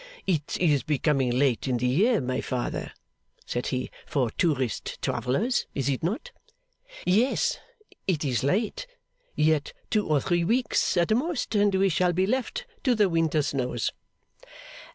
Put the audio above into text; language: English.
'It is becoming late in the year, my Father,' said he, 'for tourist travellers, is it not?' 'Yes, it is late. Yet two or three weeks, at most, and we shall be left to the winter snows.